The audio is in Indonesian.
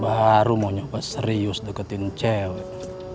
baru mau nyoba serius deketin cewek